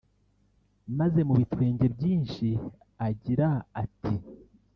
maze mu bitwenge byinshi agira ati